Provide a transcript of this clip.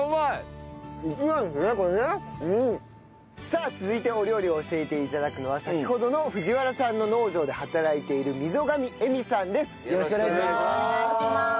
さあ続いてお料理を教えて頂くのは先ほどの藤原さんの農場で働いているよろしくお願いします。